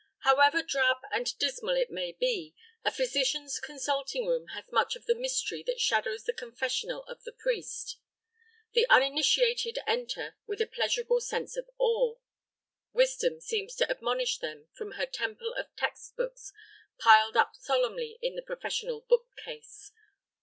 However drab and dismal it may be, a physician's consulting room has much of the mystery that shadows the confessional of the priest. The uninitiated enter with a pleasurable sense of awe. Wisdom seems to admonish them from her temple of text books piled up solemnly in the professional bookcase.